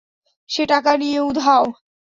সে টাকা নিয়ে উধাও।